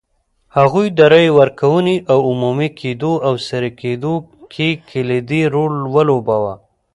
هغوی د رایې ورکونې د عمومي کېدو او سري کېدو کې کلیدي رول ولوباوه.